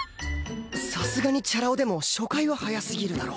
さすがにチャラ男でも初回は早すぎるだろ